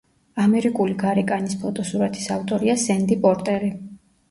ამერიკული გარეკანის ფოტოსურათის ავტორია სენდი პორტერი.